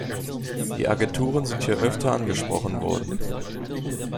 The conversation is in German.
Die Agenturen sind hier öfter angesprochen worden.